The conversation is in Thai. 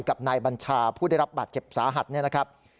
กับนายบัญชาผู้ได้รับบาดเจ็บสาหัสเนี่ยนะครับ